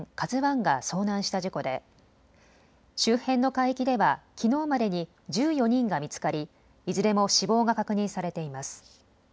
ＫＡＺＵＩが遭難した事故で周辺の海域ではきのうまでに１４人が見つかりいずれも死亡が確認されています。